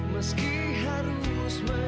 meski harus mencoba